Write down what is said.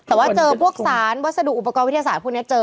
แต่ว่าเจอพวกสารวัสดุอุปกรณ์วิทยาศาสตร์พวกนี้เจอ